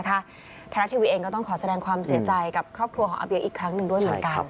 ทางรักทีวีเองก็ต้องขอแสดงความเสียใจกับครอบครัวของอเบียอีกครั้งด้วย